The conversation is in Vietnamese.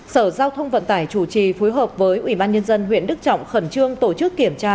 sở giao thông vận tải chủ trì phối hợp với ubnd huyện đức trọng khẩn trương tổ chức kiểm tra